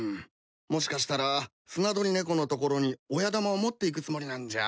もしかしたらスナドリネコの所に親玉を持っていくつもりなんじゃ。